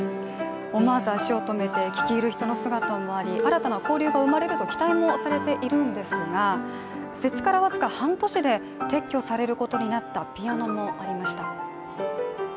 思わず足を止めて聞き入る人の姿もあり新たな交流が生まれると期待もされているんですが設置から僅か半年で撤去されることになったピアノもありました。